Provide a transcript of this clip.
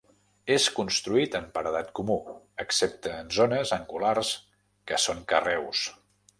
És construït en paredat comú, excepte en zones angulars que són carreus.